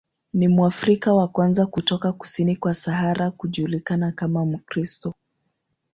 Ni Mwafrika wa kwanza kutoka kusini kwa Sahara kujulikana kama Mkristo.